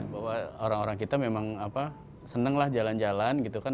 bahwa orang orang kita memang senanglah jalan jalan gitu kan